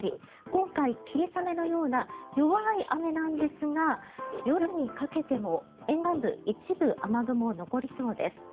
今回霧雨のような弱い雨なんですが夜にかけても沿岸部の一部雨雲が残りそうです。